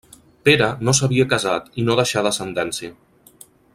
Pere no s'havia casat i no deixà descendència.